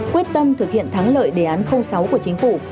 quyết tâm thực hiện thắng lợi đề án sáu của chính phủ